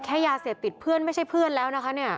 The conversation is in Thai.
ยาเสพติดเพื่อนไม่ใช่เพื่อนแล้วนะคะเนี่ย